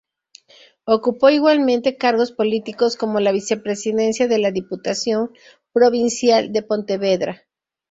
Ocupó igualmente cargos políticos como la vicepresidencia de la Diputación Provincial de Pontevedra.